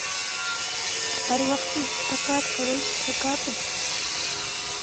دا راپور د بي بي سي څخه اخیستل شوی دی.